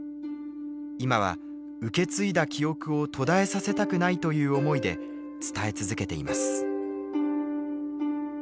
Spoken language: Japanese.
今は受け継いだ記憶を途絶えさせたくないという思いで伝え続けています。